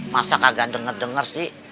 masa kagak denger denger sih